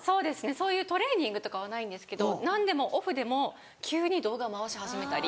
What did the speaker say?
そういうトレーニングとかはないんですけど何でもオフでも急に動画を回し始めたり。